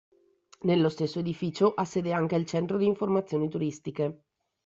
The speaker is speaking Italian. Nello stesso edificio ha sede anche il centro di informazioni turistiche.